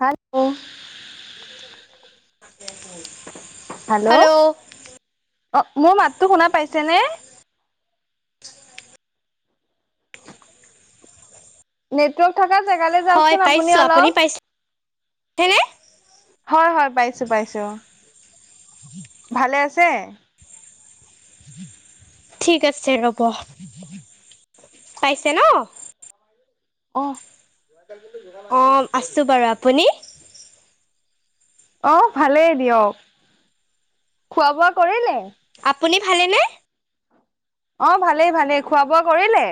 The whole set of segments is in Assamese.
হেল্ল' [inaudible] হেল্ল' অ' মোৰ মাতটো শুনা পাইছে নে? নেটৱৰ্ক [unintelligible] জেগাল হয় যাওচোন আপুনি পাইছোঁ অলপ পাইছেনে হয় হয় পাই চো পাইছো ভালে আছে? ঠিক আছে ৰ'ব পাইছে ন? আহ। অ' আছো বাৰু আপুনি? অ' ভালেই দিয়ক খোৱা বোৱা কৰিলে? আপুনি ভালেনে? অ' ভালেই ভালেই খোৱা বোৱা কৰিলে?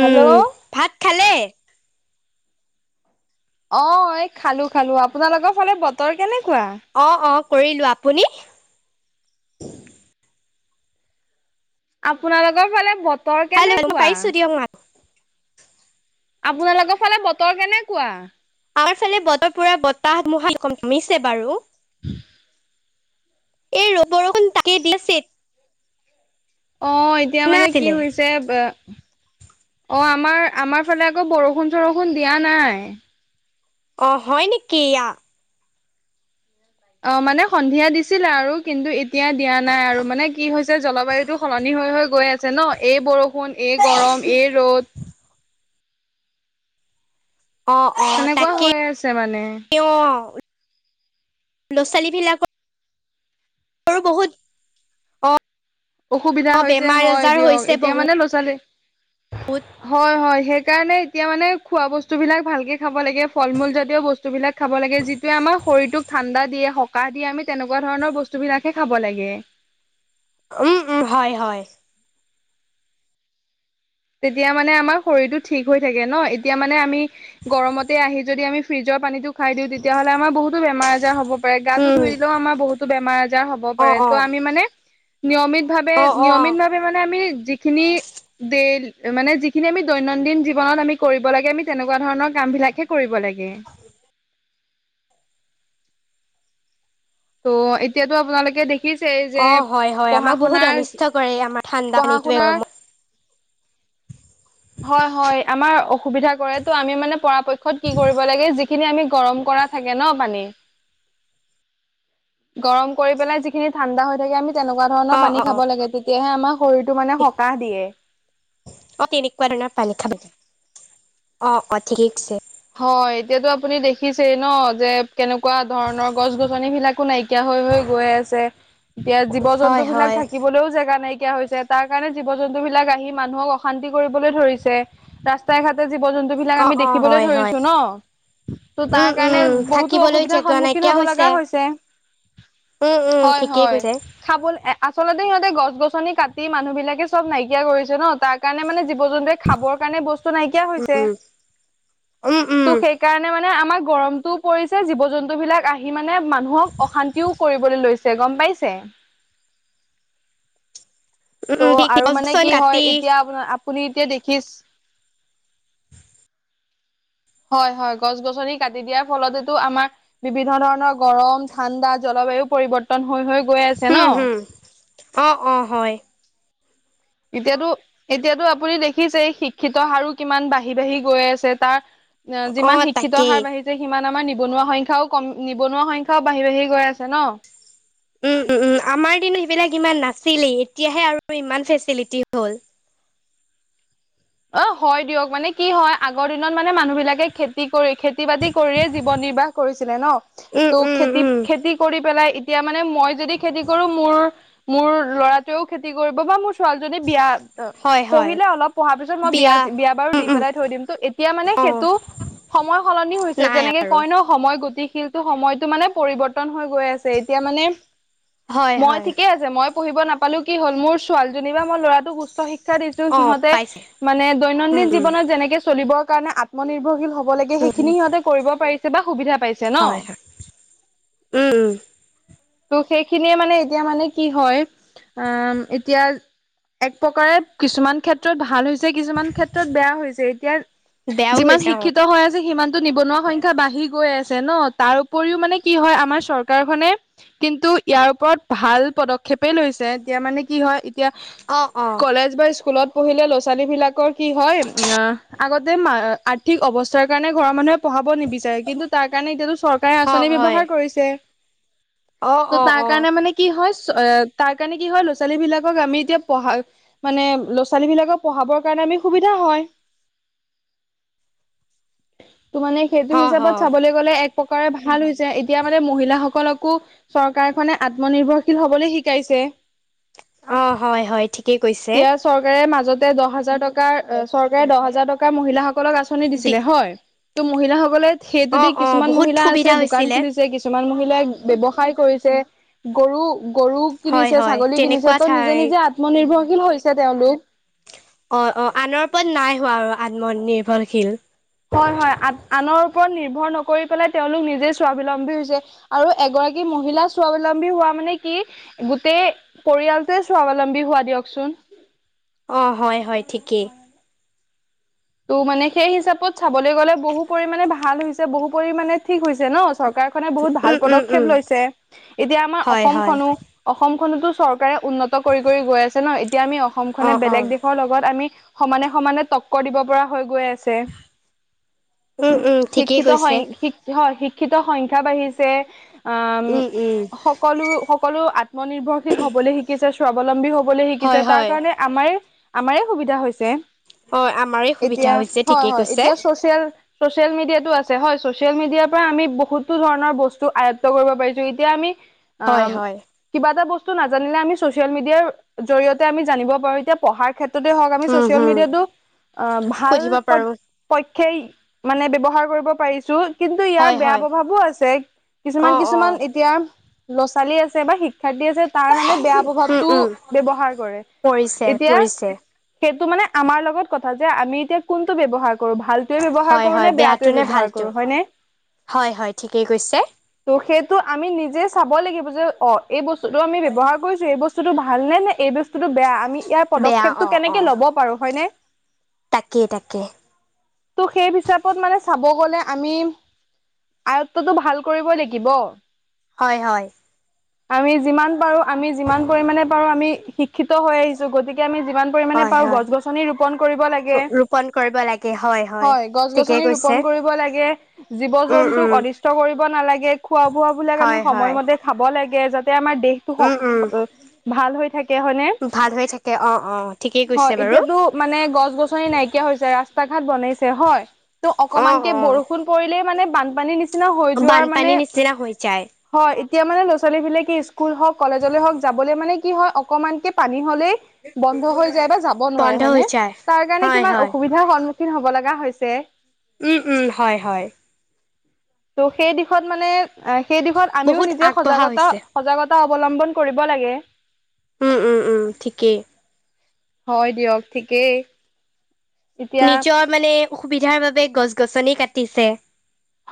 হেল্ল' ভাত খালে অ' এই খালো খালো আপোনালোকৰ ফালে বতৰ কেনে? অ' অ' কৰিলো আপুনি? আপোনালোকৰ ফালে বতৰ হেল্ল' মই কেনেকুৱা? পাইছোঁ দিয়ক মাত আপোনালোকৰ ফালে বতৰ কেনেকুৱা? আমাৰ ফালে বতৰ পুৰা বতাহমিছে বাৰু। [inaudible] এই ৰ বৰ তাক দিল চ অ' এতিয়া মানে কি হৈছে। অ' আমাৰ আমাৰ ফালে আকৌ বৰষুণ চৰষুণ দিয়া নাই। অ' হয় নেকি ইয়া অ' মানে সন্ধিয়া দিছিলে আৰু কিন্তু এতিয়া দিয়া নাই আৰু মানে কি হৈছে জলবায়ুতটো সলনি হৈ হৈ গৈ আছে ন এই বৰষুণ, এই গৰম, এই ৰ'দ। [inaudible] অ' অ' তেনেকুৱা তাকে হৈ আছে মানে অ'। ল'ৰা ছোৱালীবিলাকৰ আৰু বহুত অঁ অসুবিধা অঁ হৈছে বেমাৰ হয় আজাৰ দিয়ক হৈছে এতিয়া মানে বহুত ল'ৰা ছোৱালী। হয় হয় সেইকাৰণে তেতিয়া মানে খোৱা বস্তুবিলাক ভালকৈ খাব লাগে ফল মূলজাতীয় বস্তুবিলাক খাব লাগে যিটোৱে আমাৰ শৰীৰটোক ঠাণ্ডা দিয়ে সকাহ দিয়ে আমি তেনেকুৱা ধৰণৰ বস্তু বিলাকে খাব লাগে। উম উম হয় হয়। তেতিয়া মানে আমাৰ শৰীৰটো ঠিক হৈ থাকে ন এতিয়া মানে আমি গৰমতে আহি যদি আমি ফ্ৰিজত। পানীটো খাই দিওঁ তেতিয়াহ'লে আমাৰ বহুতো বেমাৰ আজাৰ হ'ব। গাটো উম ধুই দিলেও আমাৰ বহুতো বেমাৰ আজাৰ হ'ব অঁ পাৰে অঁ ত' আমি মানে। নিয়মিতভাৱে অ অ নিয়মিতভাৱে মানে আমি যিখিনিই দেই মানে যিখিনি আমি দৈন্দিন জীৱনত আমি কৰিব লাগে আমি তেনেকুৱা ধৰণৰ কাম বিলাকহে কৰিব লাগে। [unintelligible] ত' এতিয়াতো আপোনালোকে দেখ অ' হয় হয় আমাক বহুত অনিষ্ট কৰে আমাৰ ঠাণ্ডা পঢ়া পানী শুনাৰ গৰমত। হয় হয় আমাৰ অসুবিধা কৰে ত' আমি মানে পৰাপক্ষত কি কৰিব লাগে যি খিনি আমি গৰম কৰা থাকে ন' পানী। গৰম কৰি পেলাই যিখিনি ঠাণ্ডা হৈ থাকে আমি তেনেকুৱা অ ধৰণৰ পানী অ অ খাব লাগে তেতিয়াহে আমাৰ শৰীৰটো মানে সকাহ দিয়ে। কোৱা ধৰণৰ পানী খাব [inaudible] অ', অ', ঠিকে কৈছে। অ' এতিয়াতো আপুনি দেখিছেই ন' যে কেনেকুৱা ধৰণৰ গছ গছনিবিলাকো নাইকি নাইকিয়া হৈ হৈ গৈ আছে, এতিয়া জীৱ হয় জন্তুবিলাক হয় থাকিবলৈও জেগা নাইকিয়া হৈছে তাৰ কাৰণে জীৱ জন্তুবিলাক আহি মানুহক অশান্তি কৰিবলৈ ধৰিছে, ৰাস্তাই ঘাটে জীৱ জন্তুবিলাক অ আমি অ দেখিবলৈ হয় ধৰি হয় ন', ত' তাৰ উম কাৰণে উম বহুতো থাকিবলৈ অসুবিধাৰ জেগা সন্মুখীন নাইকিয়া হ'ব লগা হৈছে। উম উম হয় ঠিকেই হয়, কৈছে খাবল আচলতে সিহঁতে গছ গছনি কাট মানুহবিলাকে চব নাইকিয়া কৰিছে ন' তাৰ কাৰণে মানে জী জীৱ জন্তুৱে খাবৰ কাৰণে বস্তু নাইকিয়া উম হৈছে। উম উম উম ত' সেইকাৰণে মানে মানে আমাৰ গৰমটোও পৰিছে জীৱ জন্তু বিলাক আহি মানে মানুহক অশান্তিও কৰিবলৈ লৈছে গ'ম পা পাইছে। উম ত' উম ঠিক আৰু গছ মানে গছনি কি হয় কাটি এতিয়া আপোন আপুনি এতিয়া দেখিছ। হয় হয় গছ গছনি কাটি দিয়াৰ ফলতেতো আমাৰ বিভিন্ন ধৰণৰ গৰম ঠাণ্ডা জল বায়ু পৰিৱৰ্তন হৈ হৈ গৈ আছে হম ন'। হম অ', অ', হয়। এতিয়াতো এতিয়াতো আপুনি দেখিছে শিক্ষিত হাৰো কিমান বাঢ়ি বাঢ়ি গৈ আছে তাৰ অ যিমান শিক্ষিত তাকেই হাৰ বাঢ়িছে সিমান আমাৰ নি নিবনুৱা সংখ্যাও কম নিবনুৱা সংখ্যাও বাঢ়ি বাঢ়ি গৈ আছে ন'। উম উম, উম, আমাৰ দিনত সেইবিলাক ইমান নাছিলেই এতিয়াহে আৰু ইমান ফেচিটি হ'ল। অ' হয় দিয়ক মানে কি হয় আগৰ দিনত মানে মানুহ বিলাকে খেতি কৰি খেতি বাতি কৰিয়ে জীৱন নিৰ্বাহ কৰিছিলে ন' উম ত' উম খেতি উম খেতি কৰি পেলাই এতিয়া মানে মই যদি খেতি কৰো মোৰ মোৰ ল'ৰাটোৱেও খেতি কৰিব বা মোৰ ছোৱালীজনী বিয়া প হয় হয় পঢ়িলে অলপ পঢ়া পিছত মই বিয়া বিয়া বাৰু উম দি উম পেলাই থৈ দিম ত' এতিয়া মানে অ' সেইটো সময় সলনি হৈছে নাই যেনেকে আৰু কয় ন' সময় গতিশীল ত' সময়টো মানে পৰিৱৰ্তন হৈ গৈ আছে এতিয়া মানে। হয় মই হয় ঠিকে আছে মই পঢ়িব নাপালো কি হ'ল মোৰ ছোৱালীজনী বা মই ল'ৰাটো উচ উচ্চ শিক্ষা দিছোঁ অ' সিহঁতে পাইছে মানে উম দৈনন্দিন উম জীৱনত যেনেকে চলিবৰ কাৰণে আত্মনিৰ্ভৰশীল হ'ব [unintelligible] লাগে উম সেইখিনি সিহঁতে কৰিব পাৰিছে বা সুবিধা পাইছে ন'। হয় হয় উম, উম। ত' সেইখিনিয়ে মানে এতিয়া মানে কি হয়, অম এতিয়া এক প্ৰকাৰত কিছুমান ক্ষেত্ৰত ভাল হৈছ যে কিছুমান ক্ষেত্ৰত বেয়া হৈছে এতিয়া, বেয়াও যিমান হৈছে অ' শিক্ষিত হৈ আছ সিমানটো নিবনুৱা সংখ্যা বাঢ়ি গৈ আছে ন' তাৰ উপৰিও মানে কি হয় আমাৰ চৰকাৰখনে কিন্তু ইয়াৰ ওপৰত ভাল পদক্ষেপেই লৈছে এতিয়া মানে কি হয় অ' [unintelligible] অ' কলেজ বা স্কুলত পঢ়িলে ল [unintelligible] ছোৱালীবিলাকৰ কি হয় অ' আগতে ম আৰ্থিক অৱস্থাৰ কাৰণে ঘৰৰ মানুহে পঢ়াব নিবিচাৰে কিন্তু তাৰ কাৰণে এতিয়াতো চৰকাৰে অ' আঁচনি হয় ব্যৱহাৰ কৰিছে। অ' ত' অ' তাৰ অ' কাৰণে মানে কি হয় [unintelligible] তাৰ কাৰণে কি হয় ল'ৰা ছোৱালীবিলাকক আমি এতিয়া পঢ়া মানে ল'ৰা ছোৱালী বিলাকক পঢ়াবৰ কাৰণে আমি সুবিধা হয়। ত' মানে সেইটো অ' হিচাপত হয় চাবলৈ গ'লে এক প্ৰকাৰে ভাল হৈছে এতিয়া মানে মহিলাসকলকো চৰকাৰখনে আত্মনিৰ্ভৰশীল হ'বলৈ শিকাইছে। অ' হয় হয় ঠিকেই কৈছে। এতিয়া চৰকাৰে [unintelligible] দহ হাজাৰ টকাৰ চৰকাৰে দহ হাজাৰ টকাৰ মহিলাসকলক আঁচনি দি দিছিলে হয়। ত' মহিলাসকলে সেইটো দি অ' অ' কিছুমান বহুত মহিলা আছে সুবিধা দোকান হৈছিলে খুলিছে কিছুমান মহিল [unintelligible] ব্যৱসায় কৰিছে গৰু গৰু হয় কিনিছে হয় ছাগলী কিনিছে তেনেকুৱা ত' ঠাই নিজে নিজে আত্মনিৰ্ভৰশীল হৈছে তেওঁলোক। অ', অ', আনৰ ওপৰত নাই হোৱা আৰু আত্মনিৰ্ভৰশীল। হয় হয় আন আনৰ ওপৰত নিৰ্ভৰ নকৰি পেলাই তেওঁলোক নিজেই স্বাৱলম্বী হৈছে আৰু এগ বাকী মহিলা স্বাৱলম্বী হোৱা মানে কি গোটেই পৰিয়ালটোৱে স্বাৱলম্বী হোৱা দিয়কচোন। [inaudible] অ' হয় হয় ঠিকেই। ত' মানে সেই হিচাপত চাবলৈ গ'লে বহু পৰিমণে ভাল হৈছে বহু পৰিমামানে ঠিক হৈছে ন'। চৰকাৰখনে বহুত উম ভাল উম পদক্ষেপ উম লৈছে, এতিয়া আমাৰ হয় হয় অসমখনো অসমখনতো চৰকাৰে উন্নত কৰি কৰি গৈ আছে ন' এতিয়া আমি অসমখনে অ' অ' বেলেগ দেশৰ লগত আমি সমানে সমানে তকৰ দিব পৰা হৈ গৈ আছ উম উম [unintelligible] ঠিকেই শিক্ষিত হয় কৈছে শিক হয় শিক শিক্ষিত সংখ্যা বাঢ়িছে অম, উম উম সকলো সকলো আত্মনিৰ্ভৰশীল হ'বলৈ শিকিছে স্বাৱলম্বী হ'বলৈ শিকিছে হয় তাৰ হয় কাৰণে আমাৰ আমাৰে সুবিধা হৈছে। অ' আমাৰে সুবিধা এতিয়া হৈছে হয় ঠিকেই হয় কৈছে। এতিয়া চচিয়েল ছচিয়েল মিডিয়াতটো আছে হয় ছচিয়েল মিডিয়াৰ পৰা আমি বহুতো ধৰণৰ বস্তু আয়ত্ব কৰিব পাৰিছোঁ এতিয়া আমি হয় অম, হয় কিবা এটা বস [unintelligible] নাজানিলে আমি ছ'চিয়েল মিডিয়াত জৰিয়তে আমি জানিব পাৰোঁ এতিয়া পঢ়াৰ ক্ষে [unintelligible] হওঁক আমি উম ছ'চিয়েল হুম মিডিয়াটো অ' ভাল সুধিব পইট পাৰো পইট খেই মানে ব্যবহাৰ কৰিব পাৰিছোঁ। কিন্তু ইয়াৰ হয় বেয়া হয় প্ৰভাৱো আছে কিছুমান অ অ কিছুমান এতিয়া ল'ৰা ছোৱালী আছে বা শিক [unintelligible] আছে তাৰ মানে বেয়া উম প্ৰভাৱটো উম ব্যৱহাৰ কৰে পৰিছে এতিয়া পৰিছে ত' মানে আমাৰ লগত কথা যে আমি এতিয়া কোনটো ব্যৱহাৰ কৰো ভাল [unintelligible] ব্যৱহাৰ হয় কৰোঁ হয় নে বেয়াটো বেয়াটোৱে নে ব্যৱহাৰ ভালটো কৰোঁ হয়নে। হয় হয় ঠিকেই কৈছে ত' সেইটো আমি নিজে চাব লাগিব যে অ' এই বস্তুটো আমি ব্যৱহাৰ কৰিছোঁ এই বস্তুটো ভাল নে নে এই বস্তুতটো বেয়া আমি ইয়াৰ বেয়া পদক্ষেপটো অ অ কেনেকে ল'ব পাৰোঁ হয়নে। তাকেই তাকে ত' সেই হিচাপত মানে চাব গ'লে আমি, আয়ত্বটো ভাল কৰিবই লাগিব। হয় হয়। আমি যিমান পাৰোঁ আমি যিমান পৰিমাণে পাৰোঁ আমি শিক্ষিত হৈ আহিছোঁ গতিকে আমি যিমান পৰিমাণে হয় পাওঁ হয় গছ গছনি ৰোপন [unintelligible] লাগে, ৰোপন কৰিব লাগে হয় গছ ঠিকেই গছনি কৈছে ৰোপন কৰিব লাগে, জীৱ উম জন [unintelligible] উম অনিষ্ট কৰিব নালাগে খোৱা বোৱাবিলাক আমি হয় হয় সময়মতে খাব লাগে যাত [unintelligible] আমাৰ দেহটো উম উম স-অ-ভাল হৈ থাকে হয়নে। ভাল হৈ থাকে অ', অ', ঠিকেই হয় কৈছে বাৰু। এতিয়াতো মানে গছ গছনি নাইকিয়া হৈছে ৰাস্তা ঘাট বনাইছে হয়। ত' অ অকমানকে অ বৰষুণ পৰিলে মানে বানপানীৰ নিচি নিচিনা হৈ যোৱাৰ মানে, বানপানীৰ নিচিনা হৈ যায় হয় এ এতিয়া মানে ল'ৰা ছোৱালীবিলাকে ইস্কুল হওঁক কলেজলৈ হওঁক যাবলৈ মানে কি হয় অকনমানকে পানী [unintelligible] বন্ধ হয় যায় বা যাব নোৱাৰে বন্ধ হয়নে, হৈ যায় তাৰ কাৰণ হয় কিমান হয় অসুবিধাৰ সম [unintelligible] হ'ব লগা হৈছে। উম, উম, হয় হয়। ত' সেই দিশত মানে সেই দিশত আমিও বহুত নিজে আগবঢ়া সজাগতা হৈছে। সজাগত অৱলম্বন কৰিব লাগে। উম, উম, উম, ঠিকেই। হয় দিয়ক ঠিকেই। এতিয়া নিজৰ মানে অসুবিধাৰ বাবে গছ গছনি কাটিছে।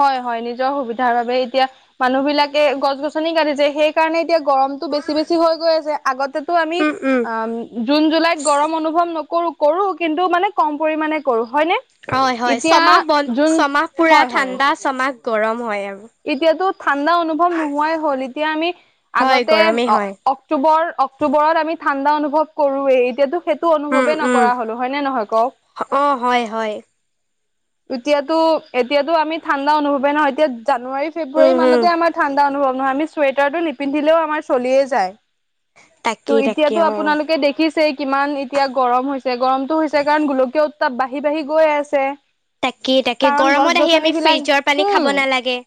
হয় হয় নিজৰ সুবিধাৰ বাবে এতিয়া মানুহ বিলাকে গছ গছনি কাটেছে সেইকাৰণে এতিয়া গৰমটো বেছি বেছি হৈ গৈ আছে, আগতেতো আমি উম, জুন জুলাইত গৰম অনুভৱ ন কৰো কৰো কিন্তু মানে কম পৰিমণে কৰো। হয়নে? হয়, হয়, এতিয়া ছমাহ বন জুন ছমাহ পুৰা হয় হয়। ঠাণ্ডা ছমাহ গৰম হয় আৰু। এতিয়াতো ঠাণ্ডা অনুভৱ নোহোৱাই হ'ল এতিয়া আমি হয় আগতে গৰমেই অ, হয়। অক্টোবৰ অক্টোবৰত আমি ঠাণ্ডা অনুভৱ কৰোয়ে এতিয়াতো টো উম অনুভৱেই উম। নকৰা হলো হয় নে নহয় কওক? অ হয় হয় এতিয়াতো এতিয়াতো আমি ঠাণ্ডা অনুভৱেই নহয় এতিয়া জানুৱাৰী ফেব্ৰুৱাৰী উম উম মানতে আমাৰ ঠাণ্ডা অনুভৱ নহয় আমি চুৱেটাৰটো নিপিন্ধিলেও আমাৰ চলিয়ে যায়। টো তাকেই তাকে এতিয়াতো অ। আপোনালোকে দেখি ছে কিমান এতিয়া গৰম হৈছে গৰমটো হৈছে কাৰণ গোলকীয় উত্তাপ বাঢ়ি বাঢ়ি গৈ আছে। তাকে তাকে কাৰণ গছ গৰমত আহি আমি গছনিবিলাক ফ্ৰিজৰ পানী খাব হম নালাগে।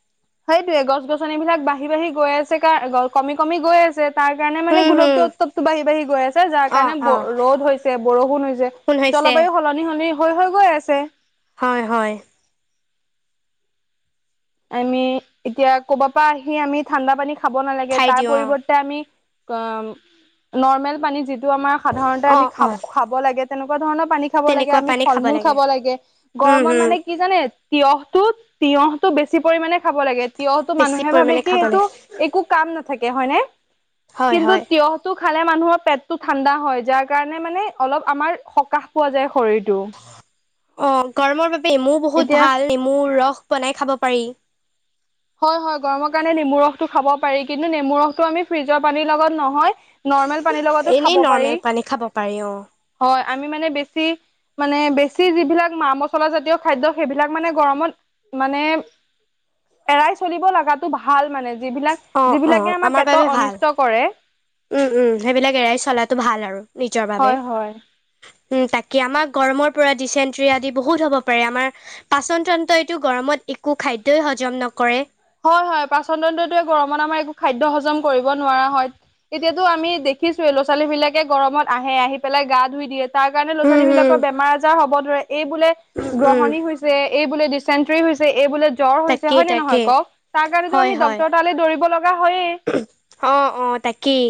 সেইটোয়ে গছ গছন বিলাক বাঢ়ি বাঢ়ি গৈ আছে কাৰ কমি কমি গৈ আছে তাৰ কাৰণে মানে হুম হুম গোলকীয় উত্তৱটো বাঢ়ি বাঢ়ি গৈ আছে, যাৰ অ কাৰণে অ ৰ'দ হৈছে বৰষুণ হৈছে। শুন হৈছে জলবায়ু সলনি সলনি হৈ হৈ গৈ আছে। হয়, হয়, আমি এতিয়া কৰবাৰ পৰা আহি আমি ঠাণ্ডা পানী খাব নালাগে খাই তাৰ দিওঁ অ পৰিৱৰ্তে আমি অ', নৰ্মেল পানী যিটো আমাৰ সাধাৰণতে অ আমি অ খাব লাগে তেনেকুৱা ধৰণৰ পানী খাব লাগে আমি ফল মূল খাব লাগে, উম গৰমত হুম মানে কি জানে তিঁয়হটো তিয়হ টো বেছি পৰিমানে খাব লাগে, তিয়হটো বেছি মানুহে ভাবে পৰিমাণে কি খাব এইটো লাগে একো কাম নাথাকে হয় নে? হয় কিন্তু হয় তিয়হটো খালে মানুহৰ পেটটো ঠাণ্ডা হয় যাৰ কাৰণে মানে অলপ আমাৰ সকাহ পোৱা যায়। শৰীৰটো অ', গৰমৰ বাবে নেমু বহুত এতিয়া ভাল নেমুৰ ৰস বনাই খাব পাৰি হয়, হয়, গৰমৰ কাৰণে নেমু ৰসটো খাব পাৰি, কিন্তু নেমু ৰসটো আমি ফ্ৰিজৰ পানীৰ লগত নহয় নৰ্মেল পানী লগাতো এনেই খাব পাৰি নৰ্মেল পানী খাব পাৰি অ হয়, আমি মানে বেছি মানে বেছি যিবিলাক মা মছলা জাতীয় খাদ্য সেইবিলাক মানে গৰমত মানে এৰাই চলিব লগাতো ভাল মানে যিবিলাক অ অ যিবিলাকে আমাৰ বাবে পেটৰ ভাল অনিষ্ট কৰে। উম, উম, সেইবিলাক এৰাই চলাটো ভাল আৰু নিজৰ বাবে। হয় হয় উম, তাকে আমাৰ গৰমৰ পৰা ডিচেণ্ট্ৰি আদি বহুত হ'ব পাৰে আমাৰ পাচন তন্ত্ৰ এইটো গৰমত একো খাদ্যই হজম নকৰে হয়, হয়, পাচন তন্ততটোয়ে গৰমত আমাৰ একো খাদ্যয় হজম কৰিব নোৱাৰা হয়। এতিয়াতো আমি দেখিছোয়ে ল'ৰা ছোৱালী বিলাকে গৰমত আহে আহি পেলাই গা ধুই দিয়ে তাৰ কাৰণে ল'ৰা উম ছোৱালী হম বিলাকৰ বেমাৰ আজাৰ হ'ব ধৰে, এই বোলে উম উম গ্ৰহণী হৈছে, এই বোলে ডিচেণ্ট্ৰি হৈছে এই বুলি জ্বৰ হৈছে তাকেই হয় নে নহয় তাকেই কওক, তাৰ কাৰণেতো হয় আমি হয় ডাক্তৰ তালে দৌৰিব লগা হয়েই অ', অ', তাকেই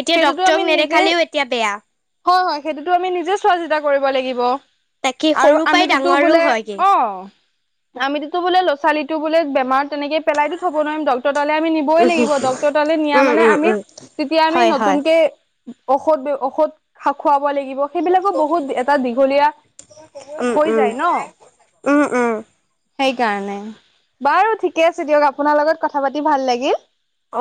এতিয়া সেইটোতো ডক্তৰক আমি নিজে নেদেখালেও এতিয়া বেয়া। হয়, হয়, সেইটোতো আমি নিজে চোৱা চিতা কৰিব লাগিব। তাকে আৰু সৰু পৰাই আমিতোতো ডাঙৰো বোলে হয়গে অ', আমিটোতো বোলে ল' ছোৱালীটো বোলে বেমাৰ তেনেকে পেলাইতো থ'ব নোৱাৰিম ডক্টৰ তাল আমি নিবই লাগিব ডকক্তৰ তালে নিয়া উম মানে উম আমি উম তেতিয়া আমি হয় হয় নতুনকে ঔষধ ঔষধ খা খোৱা লাগিব সেইবিলাকো বহুত এটা দীঘলীয়া উম হৈ উম যায় ন'। উম, উম, সেইকাৰণে, বাৰু ঠিকে আছে দিয়ক আপোনাৰ লগত কথা পাতি ভাল লাগিল।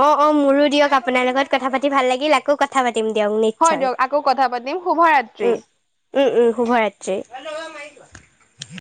অ', অ', মোৰো দিয়ক আপোনাৰ লগত কথা পাতি ভাল লাগিল আকৌ কথা পাতি পাতিম দিয়ক হয় নিশ্চয় দিয়ক আকৌ কথা পাতিম শুভৰাত্ৰি উম, উম, উম, শুভ ৰাত্ৰি। [inaudible]